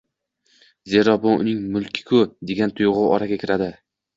zero «bu uning mulki-ku», degan tuyg‘u oraga kiradi.